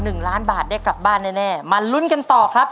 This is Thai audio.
หนึ่งล้านบาทได้กลับบ้านแน่แน่มาลุ้นกันต่อครับ